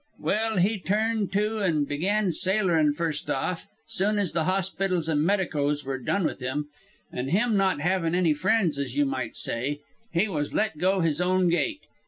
Well, he turned to an' began sailoring first off soon as the hospitals and medicos were done with him an' him not having any friends as you might say, he was let go his own gait.